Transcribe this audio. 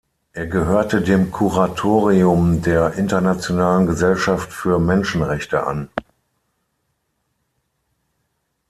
Er gehörte dem Kuratorium der Internationalen Gesellschaft für Menschenrechte an.